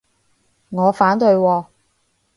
我反對喎